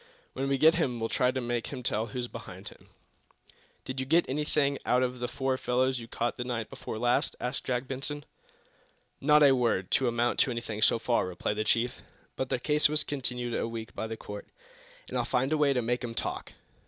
When we get him we'll try to make him tell who's behind him." "Did you get anything out of the four fellows you caught night before last?" asked Jack Benson. "Not a word to amount to anything, so far," replied the chief. "But their case was continued a week by the court, and I'll find a way to make 'em talk!